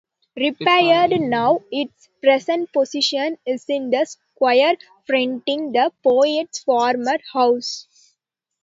Repaired now, its present position is in the square fronting the poet's former house.